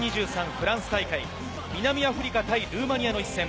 フランス大会、南アフリカ対ルーマニアの一戦。